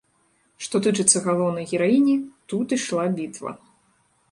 Што тычыцца галоўнай гераіні, тут ішла бітва.